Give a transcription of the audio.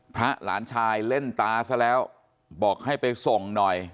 หลานชายเล่นตาซะแล้วบอกให้ไปส่งหน่อย